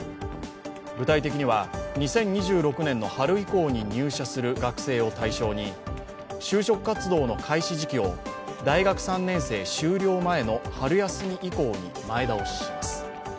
具体的には２０２６年の春以降に入社する学生を対象に就職活動の開始時期を大学３年生終了前の春休み以降に前倒しします。